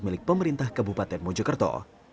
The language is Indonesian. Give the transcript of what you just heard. milik pemerintah kabupaten mojokerto